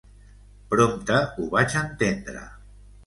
Prompte ho vaig entendre.